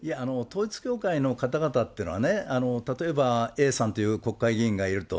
いや、統一教会の方々っていうのは例えばＡさんという国会議員がいると。